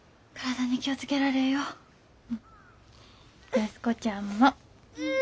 安子ちゃんも。うん。